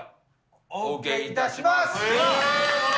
お受けいたします。